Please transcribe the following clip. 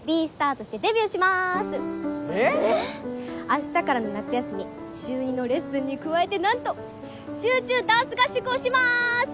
明日からの夏休み週２のレッスンに加えてなんと集中ダンス合宿をします！